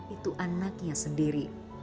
itu anaknya sendiri